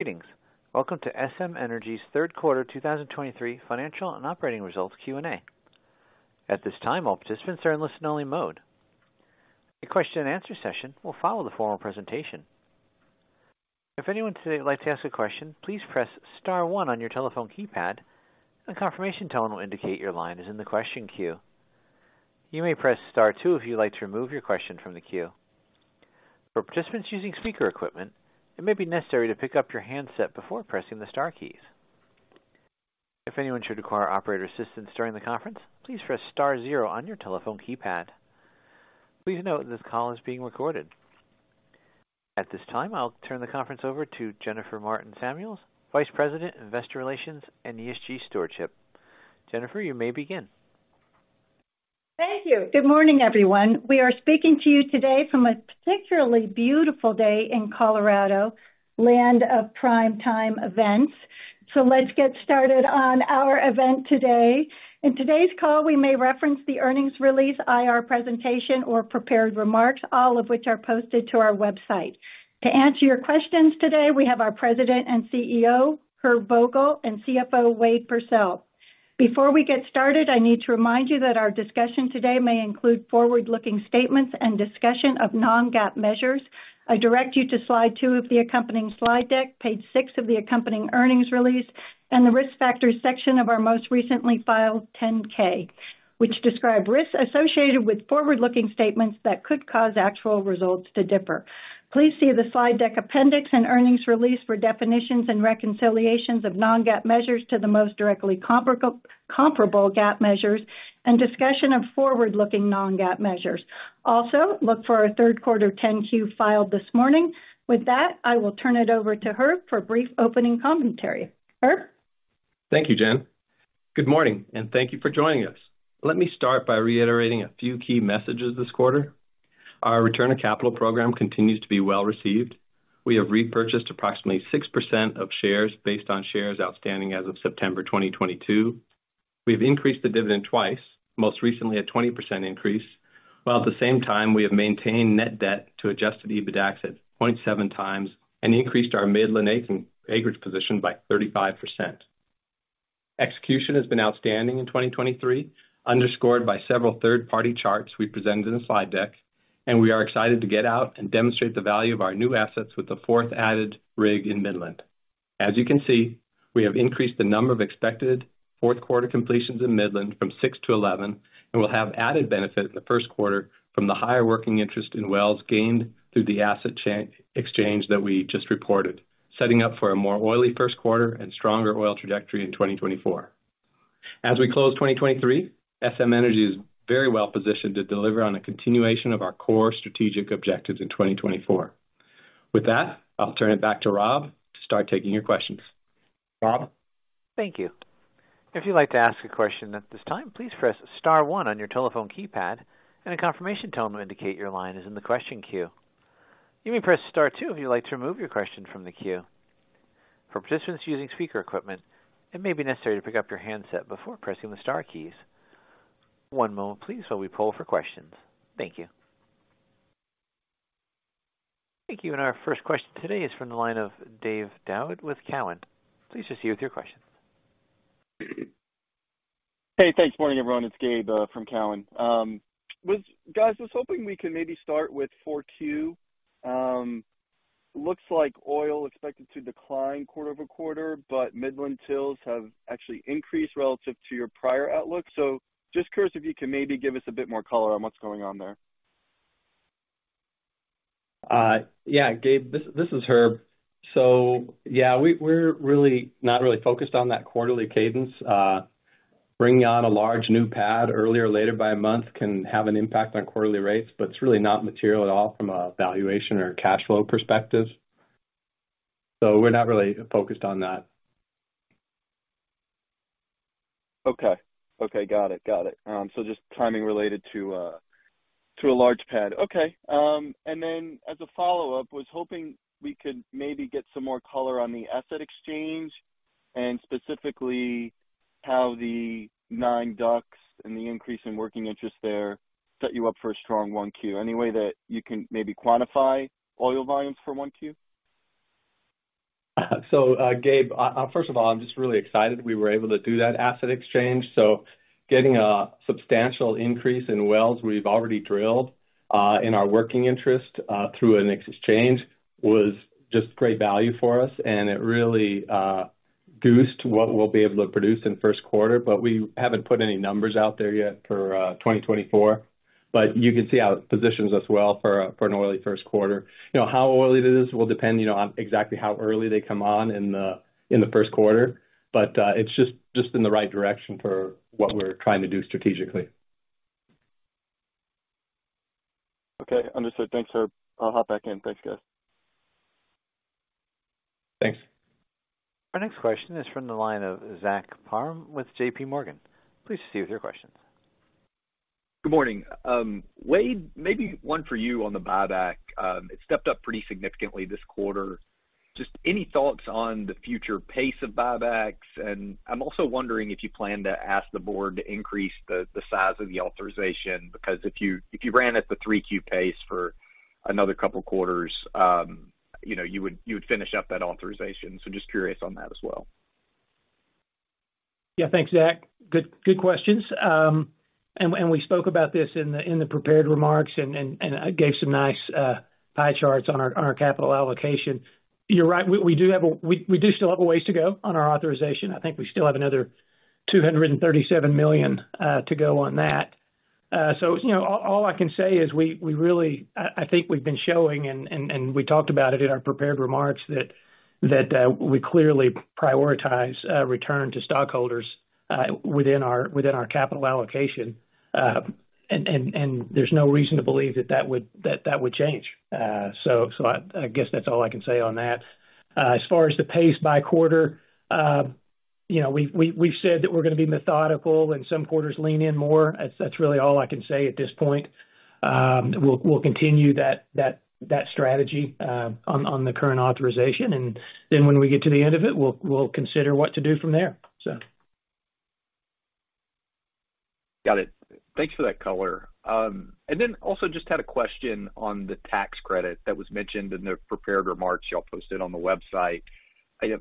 Greetings. Welcome to SM Energy's third quarter 2023 financial and operating results Q&A. At this time, all participants are in listen-only mode. A question-and-answer session will follow the formal presentation. If anyone today would like to ask a question, please press star one on your telephone keypad. A confirmation tone will indicate your line is in the question queue. You may press star two if you'd like to remove your question from the queue. For participants using speaker equipment, it may be necessary to pick up your handset before pressing the star keys. If anyone should require operator assistance during the conference, please press star zero on your telephone keypad. Please note this call is being recorded. At this time, I'll turn the conference over to Jennifer Martin Samuels, Vice President, Investor Relations and ESG Stewardship. Jennifer, you may begin. Thank you. Good morning, everyone. We are speaking to you today from a particularly beautiful day in Colorado, land of prime-time events. So let's get started on our event today. In today's call, we may reference the earnings release, IR presentation or prepared remarks, all of which are posted to our website. To answer your questions today, we have our President and CEO, Herb Vogel, and CFO, Wade Pursell. Before we get started, I need to remind you that our discussion today may include forward-looking statements and discussion of non-GAAP measures. I direct you to slide two of the accompanying slide deck, page 6 of the accompanying earnings release, and the Risk Factors section of our most recently filed 10-K, which describe risks associated with forward-looking statements that could cause actual results to differ. Please see the slide deck appendix and earnings release for definitions and reconciliations of non-GAAP measures to the most directly comparable GAAP measures and discussion of forward-looking non-GAAP measures. Also, look for our third quarter 10-Q filed this morning. With that, I will turn it over to Herb for a brief opening commentary. Herb? Thank you, Jen. Good morning, and thank you for joining us. Let me start by reiterating a few key messages this quarter. Our return on capital program continues to be well received. We have repurchased approximately 6% of shares based on shares outstanding as of September 2022. We've increased the dividend twice, most recently a 20% increase, while at the same time, we have maintained net debt to Adjusted EBITDA at 0.7x and increased our Midland acres position by 35%. Execution has been outstanding in 2023, underscored by several third-party charts we presented in the slide deck, and we are excited to get out and demonstrate the value of our new assets with the fourth added rig in Midland. As you can see, we have increased the number of expected fourth quarter completions in Midland from 6 to 11 and will have added benefit in the first quarter from the higher working interest in wells gained through the asset exchange that we just reported, setting up for a more oily first quarter and stronger oil trajectory in 2024. As we close 2023, SM Energy is very well positioned to deliver on a continuation of our core strategic objectives in 2024. With that, I'll turn it back to Rob to start taking your questions. Rob? Thank you. If you'd like to ask a question at this time, please press star one on your telephone keypad, and a confirmation tone will indicate your line is in the question queue. You may press star two if you'd like to remove your question from the queue. For participants using speaker equipment, it may be necessary to pick up your handset before pressing the star keys. One moment, please, while we poll for questions. Thank you. Thank you. Our first question today is from the line of Gabe Daoud with Cowen. Please proceed with your question. Hey, thanks. Morning, everyone. It's Gabe from Cowen. Guys, I was hoping we could maybe start with 4Q. Looks like oil expected to decline quarter-over-quarter, but Midland wells have actually increased relative to your prior outlook. So just curious if you can maybe give us a bit more color on what's going on there. Yeah, Gabe, this is Herb. So yeah, we're really not really focused on that quarterly cadence. Bringing on a large new pad earlier or later by a month can have an impact on quarterly rates, but it's really not material at all from a valuation or cash flow perspective. So we're not really focused on that. Okay. Okay, got it. Got it. So just timing related to a large pad. Okay, and then as a follow-up, was hoping we could maybe get some more color on the asset exchange and specifically how the 9 DUCs and the increase in working interest there set you up for a strong 1Q. Any way that you can maybe quantify oil volumes for 1Q? So, Gabe, first of all, I'm just really excited we were able to do that asset exchange. So getting a substantial increase in wells we've already drilled in our Working Interest through an exchange was just great value for us, and it really goosed what we'll be able to produce in first quarter. But we haven't put any numbers out there yet for 2024. But you can see how it positions us well for a for an only first quarter. You know, how oily it is will depend, you know, on exactly how early they come on in the in the first quarter, but it's just just in the right direction for what we're trying to do strategically. Okay, understood. Thanks, Herb. I'll hop back in. Thanks, guys. Thanks. Our next question is from the line of Zach Parham with JPMorgan. Please proceed with your questions. Good morning. Wade, maybe one for you on the buyback. It stepped up pretty significantly this quarter. Just any thoughts on the future pace of buybacks? And I'm also wondering if you plan to ask the board to increase the size of the authorization, because if you ran at the 3Q pace for another couple of quarters, you know, you would finish up that authorization. So just curious on that as well. Yeah, thanks, Zach. Good, good questions. And we spoke about this in the prepared remarks and I gave some nice pie charts on our capital allocation. You're right, we do have a-- we do still have a ways to go on our authorization. I think we still have another $237 million to go on that. So, you know, all I can say is we really-- I think we've been showing and we talked about it in our prepared remarks, that we clearly prioritize return to stockholders within our capital allocation. And there's no reason to believe that that would, that would change. So I guess that's all I can say on that. As far as the pace by quarter, you know, we've said that we're gonna be methodical and some quarters lean in more. That's really all I can say at this point. We'll continue that strategy on the current authorization, and then when we get to the end of it, we'll consider what to do from there, so. Got it. Thanks for that color. And then also just had a question on the tax credit that was mentioned in the prepared remarks y'all posted on the website.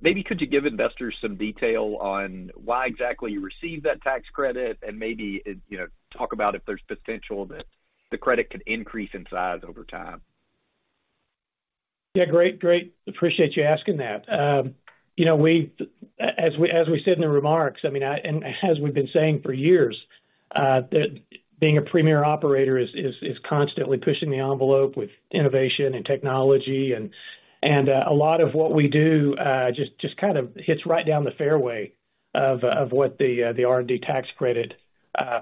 Maybe could you give investors some detail on why exactly you received that tax credit? And maybe, you know, talk about if there's potential that the credit could increase in size over time. Yeah, great, great. Appreciate you asking that. You know, we as we said in the remarks, I mean, and as we've been saying for years, that being a premier operator is constantly pushing the envelope with innovation and technology. And a lot of what we do just kind of hits right down the fairway of what the R&D tax credit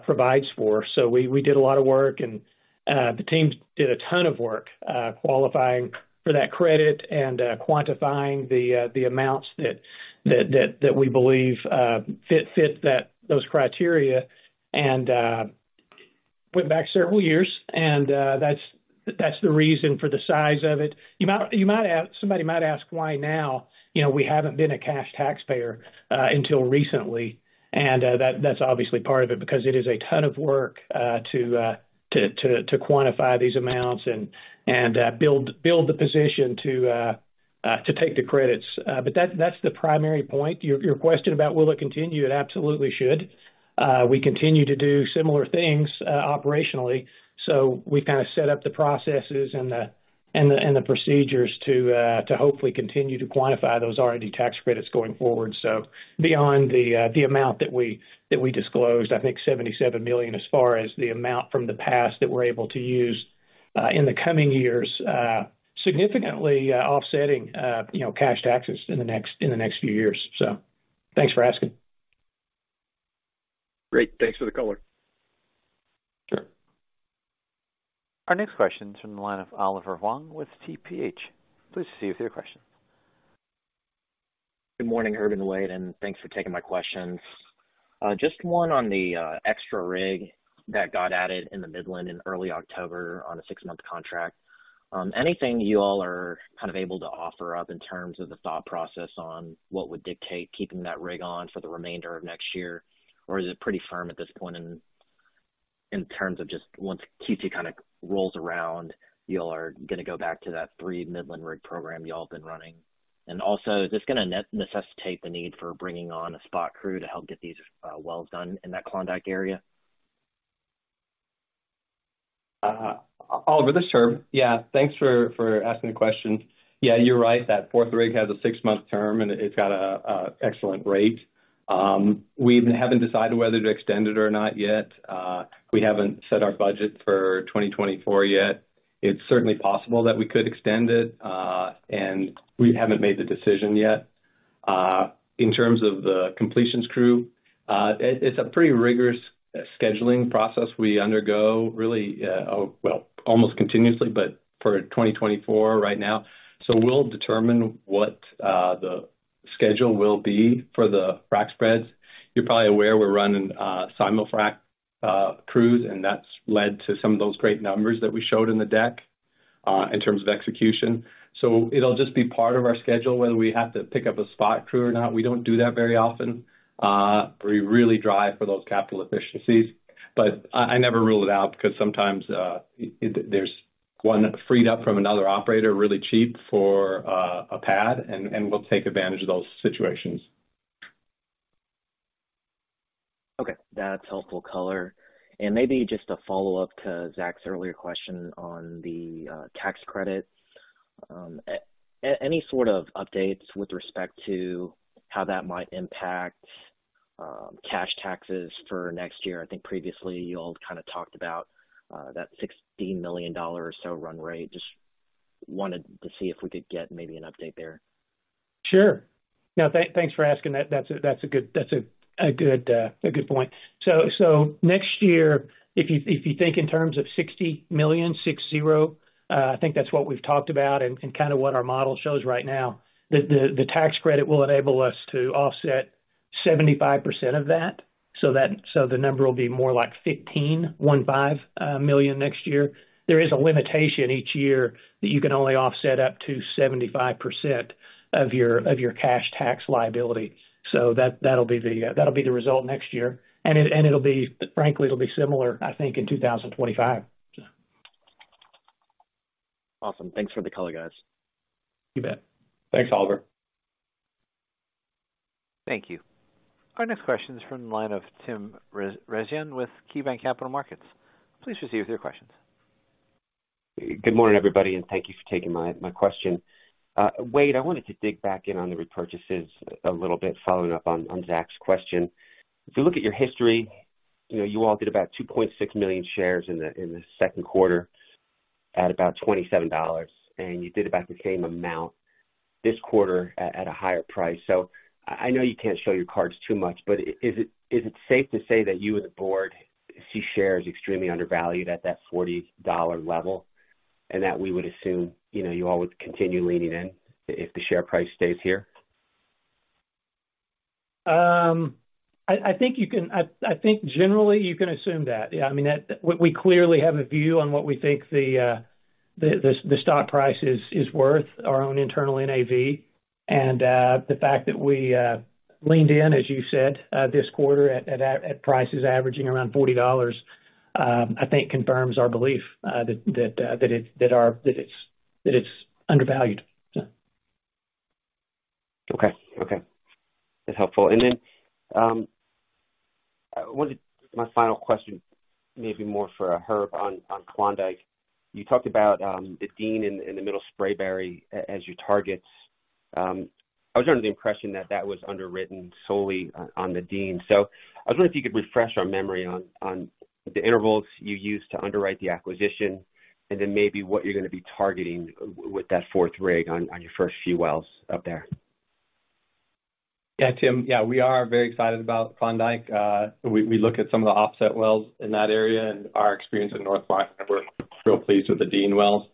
provides for. So we did a lot of work, and the teams did a ton of work qualifying for that credit and quantifying the amounts that we believe fit those criteria. And went back several years, and that's the reason for the size of it. You might ask, somebody might ask why now? You know, we haven't been a cash taxpayer until recently, and that's obviously part of it, because it is a ton of work to quantify these amounts and build the position to take the credits. But that's the primary point. Your question about will it continue? It absolutely should. We continue to do similar things operationally, so we kind of set up the processes and the procedures to hopefully continue to quantify those R&D tax credits going forward. So beyond the amount that we disclosed, I think $77 million, as far as the amount from the past that we're able to use in the coming years, significantly offsetting, you know, cash taxes in the next few years. So thanks for asking. Great. Thanks for the color. Sure. Our next question is from the line of Oliver Huang with TPH. Please proceed with your question. Good morning, Herb and Wade, and thanks for taking my questions. Just one on the extra rig that got added in the Midland in early October on a six-month contract. Anything you all are kind of able to offer up in terms of the thought process on what would dictate keeping that rig on for the remainder of next year? Or is it pretty firm at this point in terms of just once Q2 kind of rolls around, y'all are gonna go back to that three Midland rig program y'all have been running. And also, is this gonna necessitate the need for bringing on a spot crew to help get these wells done in that Klondike area? Oliver, this is Herb. Yeah, thanks for asking the question. Yeah, you're right that fourth rig has a six-month term, and it's got a excellent rate. We haven't decided whether to extend it or not yet. We haven't set our budget for 2024 yet. It's certainly possible that we could extend it, and we haven't made the decision yet. In terms of the completions crew, it's a pretty rigorous scheduling process we undergo really, well, almost continuously, but for 2024 right now. So we'll determine what the schedule will be for the frac spreads. You're probably aware we're running simul-frac crews, and that's led to some of those great numbers that we showed in the deck, in terms of execution. So it'll just be part of our schedule, whether we have to pick up a spot crew or not. We don't do that very often. We really drive for those capital efficiencies, but I never rule it out because sometimes, there's one freed up from another operator, really cheap for a pad, and we'll take advantage of those situations. Okay. That's helpful color. And maybe just a follow-up to Zach's earlier question on the tax credit. Any sort of updates with respect to how that might impact cash taxes for next year? I think previously you all kind of talked about that $60 million or so run rate. Just wanted to see if we could get maybe an update there. Sure. No, thanks for asking that. That's a good point. So next year, if you think in terms of $60 million, I think that's what we've talked about and kind of what our model shows right now. The tax credit will enable us to offset 75% of that, so the number will be more like $15 million next year. There is a limitation each year that you can only offset up to 75% of your cash tax liability. So that'll be the result next year. And it'll be frankly similar, I think, in 2025. Awesome. Thanks for the color, guys. You bet. Thanks, Oliver. Thank you. Our next question is from the line of Tim Rezvan with KeyBanc Capital Markets. Please proceed with your questions. Good morning, everybody, and thank you for taking my question. Wade, I wanted to dig back in on the repurchases a little bit, following up on Zach's question. If you look at your history, you know, you all did about 2.6 million shares in the second quarter at about $27, and you did about the same amount this quarter at a higher price. So I know you can't show your cards too much, but is it safe to say that you and the board see shares extremely undervalued at that $40 level, and that we would assume, you know, you all would continue leaning in if the share price stays here? I think you can—I think generally you can assume that. Yeah, I mean, that... We clearly have a view on what we think the stock price is worth, our own internal NAV. And the fact that we leaned in, as you said, this quarter at prices averaging around $40, I think confirms our belief that it—our—that it's undervalued. Yeah. Okay. Okay. That's helpful. And then I wanted my final question, maybe more for Herb on Klondike. You talked about the Dean in the Middle Sprayberry as your targets. I was under the impression that that was underwritten solely on the Dean. So I was wondering if you could refresh our memory on the intervals you used to underwrite the acquisition, and then maybe what you're gonna be targeting with that fourth rig on your first few wells up there. Yeah, Tim. Yeah, we are very excited about Klondike. We look at some of the offset wells in that area and our experience in North, [inaudible] and we're real pleased with the Dean wells.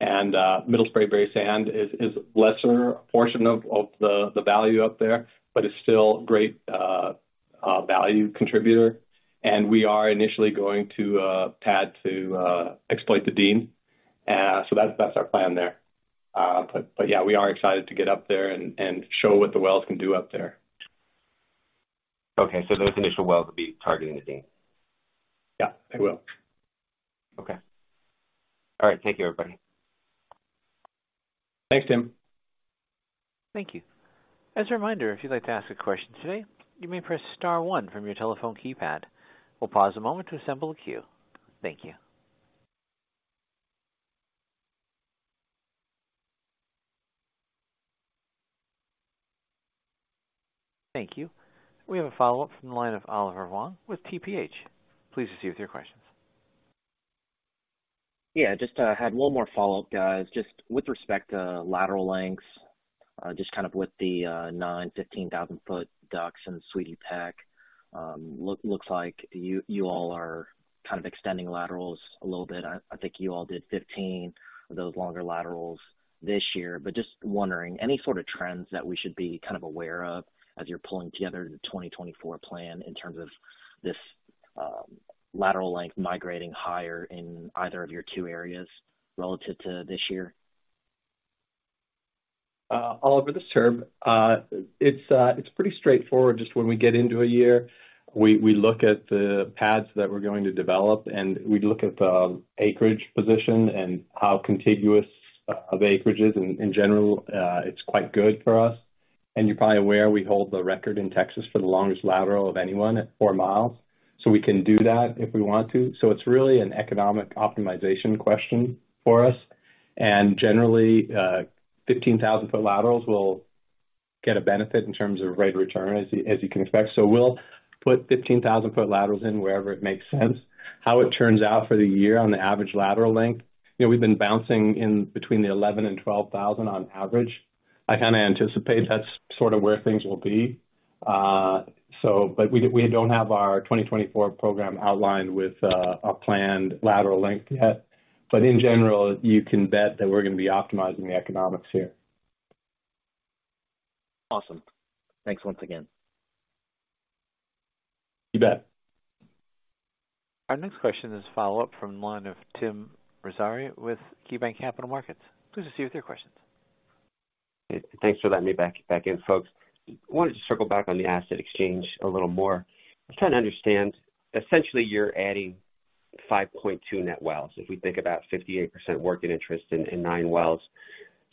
Middle Spraberry Sand is lesser a portion of the value up there, but it's still great value contributor. We are initially going to pad to exploit the Dean. So that's our plan there. But yeah, we are excited to get up there and show what the wells can do up there. Okay, so those initial wells will be targeting the Dean? Yeah, they will. Okay. All right. Thank you, everybody. Thanks, Tim. Thank you. As a reminder, if you'd like to ask a question today, you may press star one from your telephone keypad. We'll pause a moment to assemble a queue. Thank you. Thank you. We have a follow-up from the line of Oliver Huang with TPH. Please proceed with your questions. Yeah, just had one more follow-up, guys. Just with respect to lateral lengths, just kind of with the 9-15 thousand foot DUCs in Sweetie Peck, looks like you all are kind of extending laterals a little bit. I think you all did 15 of those longer laterals this year. But just wondering, any sort of trends that we should be kind of aware of as you're pulling together the 2024 plan in terms of this lateral length migrating higher in either of your two areas relative to this year? Oliver, this is Herb. It's pretty straightforward. Just when we get into a year, we look at the pads that we're going to develop, and we look at the acreage position and how contiguous of acreages. In general, it's quite good for us. And you're probably aware, we hold the record in Texas for the longest lateral of anyone at 4 miles. So we can do that if we want to. So it's really an economic optimization question for us. And generally, 15,000-foot laterals will get a benefit in terms of rate of return, as you can expect. So we'll put 15,000-foot laterals in wherever it makes sense. How it turns out for the year on the average lateral length, you know, we've been bouncing in between the 11,000 and 12,000 on average. I kinda anticipate that's sort of where things will be. So, but we, we don't have our 2024 program outlined with a planned lateral length yet. But in general, you can bet that we're gonna be optimizing the economics here. Awesome. Thanks once again. You bet. Our next question is a follow-up from the line of Tim Rezvan with KeyBanc Capital Markets. Please proceed with your questions. Thanks for letting me back, back in, folks. I wanted to circle back on the asset exchange a little more. Just trying to understand, essentially, you're adding 5.2 net wells, if we think about 58% working interest in, in nine wells.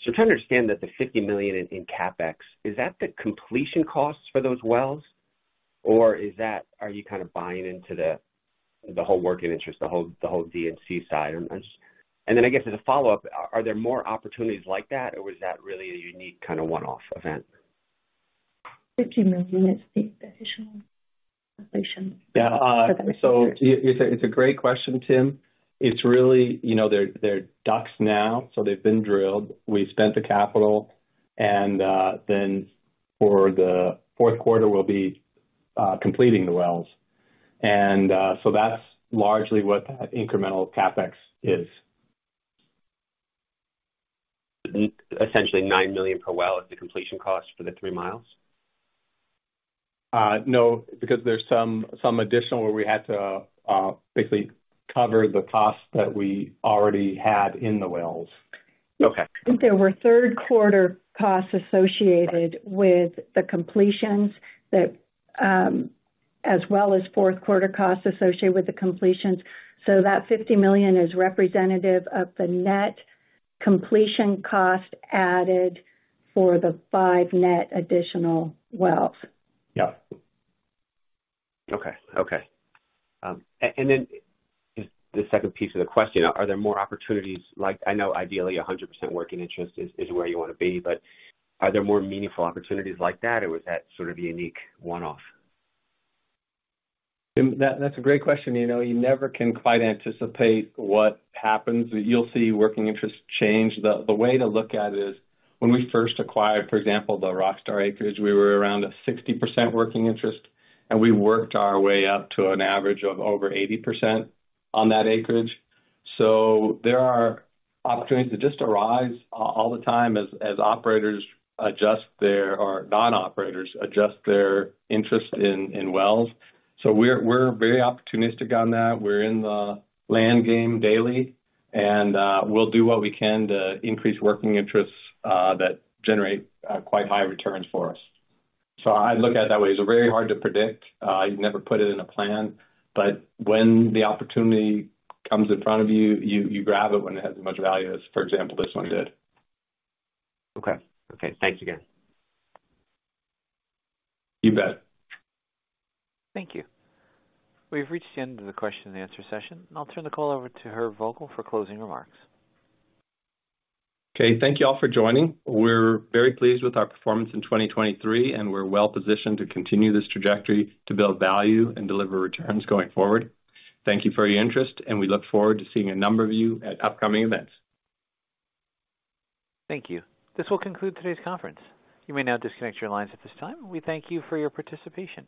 So trying to understand that the $50 million in CapEx, is that the completion costs for those wells, or is that... Are you kind of buying into the, the whole working interest, the whole, the whole D and C side? I'm just-- And then I guess as a follow-up, are there more opportunities like that, or was that really a unique kind of one-off event? [inaudible] is the additional completion. Yeah, so it's a great question, Tim. It's really, you know, they're DUCs now, so they've been drilled. We've spent the capital, and then for the fourth quarter, we'll be completing the wells. And so that's largely what that incremental CapEx is. Essentially $9 million per well is the completion cost for the three miles? No, because there's some additional where we had to basically cover the costs that we already had in the wells. Okay. I think there were third quarter costs associated with the completions that.... as well as fourth quarter costs associated with the completions. So that $50 million is representative of the net completion cost added for the five net additional wells. Yeah. Okay. Okay, and then the second piece of the question, are there more opportunities? Like, I know ideally 100% working interest is where you want to be, but are there more meaningful opportunities like that, or was that sort of a unique one-off? Tim, that's a great question. You know, you never can quite anticipate what happens. You'll see working interests change. The way to look at it is when we first acquired, for example, the Rockstar acreage, we were around a 60% working interest, and we worked our way up to an average of over 80% on that acreage. So there are opportunities that just arise all the time as operators adjust their, or non-operators adjust their interest in wells. So we're very opportunistic on that. We're in the land game daily, and we'll do what we can to increase working interests that generate quite high returns for us. So I'd look at it that way. It's very hard to predict. You'd never put it in a plan, but when the opportunity comes in front of you, you grab it when it has as much value as, for example, this one did. Okay. Okay, thanks again. You bet. Thank you. We've reached the end of the question and answer session, and I'll turn the call over to Herb Vogel for closing remarks. Okay, thank you all for joining. We're very pleased with our performance in 2023, and we're well positioned to continue this trajectory to build value and deliver returns going forward. Thank you for your interest, and we look forward to seeing a number of you at upcoming events. Thank you. This will conclude today's conference. You may now disconnect your lines at this time, and we thank you for your participation.